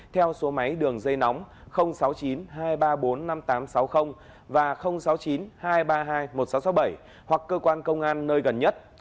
theo số máy đường dây nóng sáu mươi chín hai trăm ba mươi bốn năm nghìn tám trăm sáu mươi và sáu mươi chín hai trăm ba mươi hai một nghìn sáu trăm sáu mươi bảy hoặc cơ quan công an nơi gần nhất